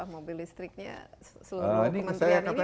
mobil listriknya seluruh kementerian